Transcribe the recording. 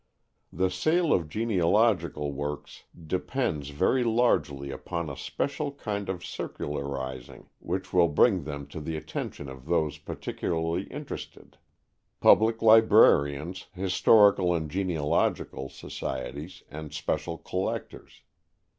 The sale of genealogical works depends very largely upon a special kind of circularizing which will bring them to the attention of those particularly interested public librarians, historical and genealogical societies, and special collectors.